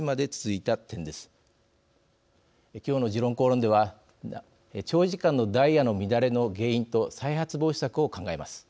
今日の「時論公論」では長時間のダイヤの乱れの原因と再発防止策を考えます。